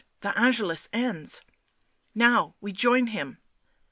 the Angelus ends." " Now — we join him."